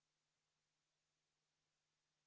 dpr ri baru saja menerima kunjungan